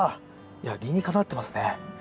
いや理にかなってますね。